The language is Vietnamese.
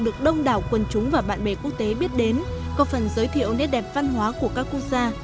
được đông đảo quần chúng và bạn bè quốc tế biết đến có phần giới thiệu nét đẹp văn hóa của các quốc gia